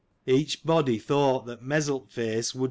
Each body thought that Mezzilt face would 1.